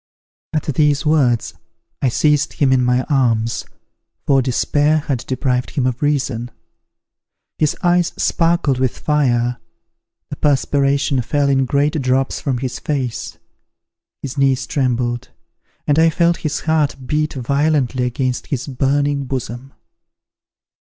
At these words, I seized him in my arms, for despair had deprived him of reason. His eyes sparkled with fire, the perspiration fell in great drops from his face; his knees trembled, and I felt his heart beat violently against his burning bosom.